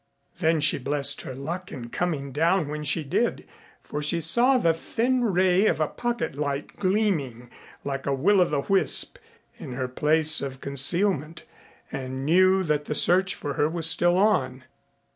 Then she blessed her luck in coming down when she did, for she saw the thin ray of a pocket light gleaming like a will o' the wisp in her place of concealment and knew that the search for her was still on.